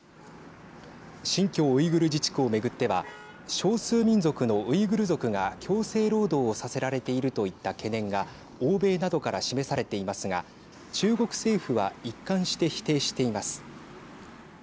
新疆ウイグル自治区をめぐっては少数民族のウイグル族が強制労働をさせられているといった懸念が欧米などから示されていますが中国政府は一貫して否定しています。